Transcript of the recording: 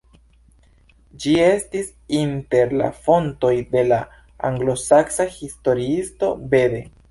Ĝi estis inter la fontoj de la anglosaksa historiisto Bede.